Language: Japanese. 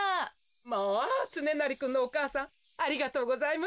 ・まあつねなりくんのお母さんありがとうございます。